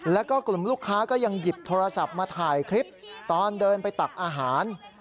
แล้วก็กลุ่มลูกค้าก็ยังหยิบโทรศัพท์มาถ่ายคลิปตอนเดินไปตักอาหาร